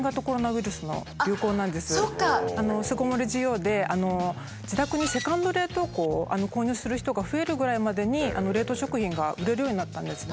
巣ごもり需要で自宅にセカンド冷凍庫を購入する人が増えるぐらいまでに冷凍食品が売れるようになったんですね。